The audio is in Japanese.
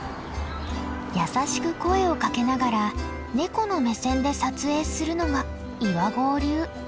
優しく声をかけながらネコの目線で撮影するのが岩合流。